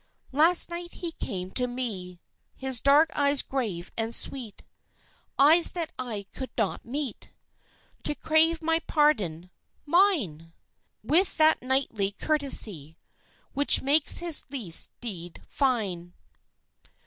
Last night he came to me, His dark eyes grave and sweet (Eyes that I could not meet!) To crave my pardon mine! With that kingly courtesy Which makes his least deed fine.